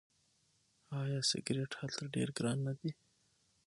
آیا سیګرټ هلته ډیر ګران نه دي؟